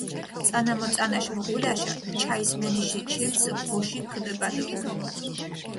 წანამოწანაშ მუკულაშა ჩაისმენიში ჩილცჷ ბოშიქ ქჷდებადჷ.